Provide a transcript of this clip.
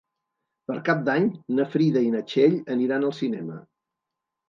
Per Cap d'Any na Frida i na Txell aniran al cinema.